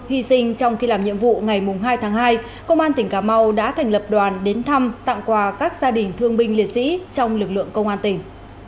hy sinh trong khi làm nhiệm vụ ngày hai tháng hai công an tỉnh cà mau đã thành lập đoàn đến thăm tặng quà các gia đình thương binh liệt sĩ trong lực lượng công an tỉnh